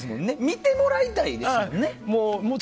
見てもらいたいんですよね。